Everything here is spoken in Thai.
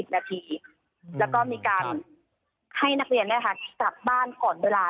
นาทีแล้วก็มีการให้นักเรียนกลับบ้านก่อนเวลา